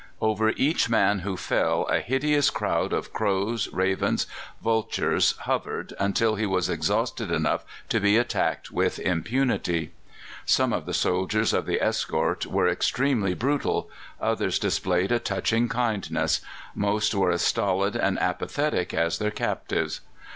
"Over each man who fell a hideous crowd of crows, ravens, vultures, hovered until he was exhausted enough to be attacked with impunity. "Some of the soldiers of the escort were extremely brutal; others displayed a touching kindness; most were as stolid and apathetic as their captives.